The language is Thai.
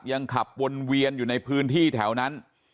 ยังขับวนเวียนอยู่ในพื้นที่แถวนั้น